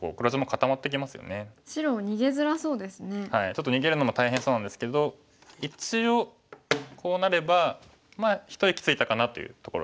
ちょっと逃げるのも大変そうなんですけど一応こうなればまあ一息ついたかなというところで。